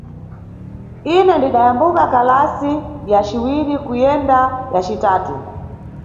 Ine ndidayambuka kalasi ya ciwiri kuyenda ya citatu.